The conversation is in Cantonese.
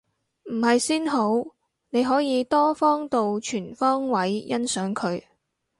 唔係先好，你可以多方度全方位欣賞佢